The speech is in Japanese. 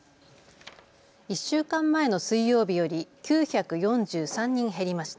１週間前の水曜日より９４３人減りました。